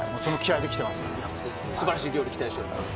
素晴らしい料理期待しています。